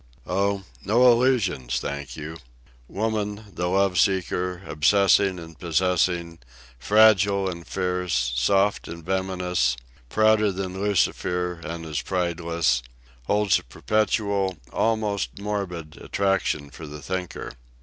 Oh, no illusions, thank you. Woman, the love seeker, obsessing and possessing, fragile and fierce, soft and venomous, prouder than Lucifer and as prideless, holds a perpetual, almost morbid, attraction for the thinker.